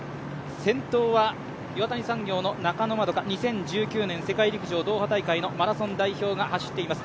先頭は岩谷産業の中野円花、２０１９年の世界陸上ドーハ大会のマラソン代表が走っています。